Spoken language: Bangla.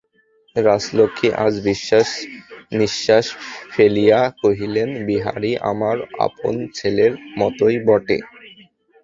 রাজলক্ষ্মী আজ নিশ্বাস ফেলিয়া কহিলেন, বিহারী আমার আপন ছেলের মতোই বটে।